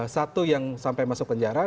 satu yang sampai masuk penjara